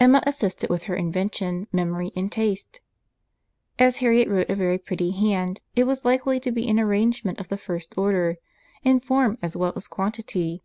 Emma assisted with her invention, memory and taste; and as Harriet wrote a very pretty hand, it was likely to be an arrangement of the first order, in form as well as quantity.